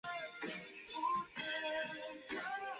昂格维莱。